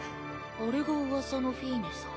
あれがうわさのフィーネさん？